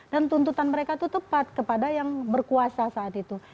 dan tuntutan mereka itu tepat kepada yang berkuasa saat itu